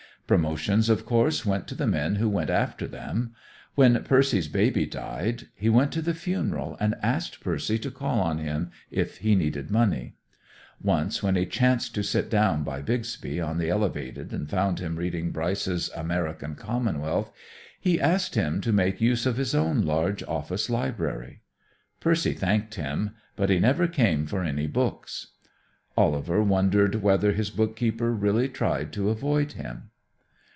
Promotions, of course, went to the men who went after them. When Percy's baby died, he went to the funeral, and asked Percy to call on him if he needed money. Once when he chanced to sit down by Bixby on the elevated and found him reading Bryce's "American Commonwealth," he asked him to make use of his own large office library. Percy thanked him, but he never came for any books. Oliver wondered whether his bookkeeper really tried to avoid him.